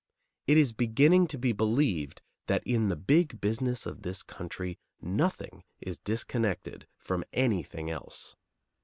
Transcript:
It is beginning to be believed that in the big business of this country nothing is disconnected from anything else.